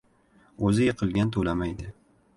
• O‘zi yiqilgan to‘lamaydi.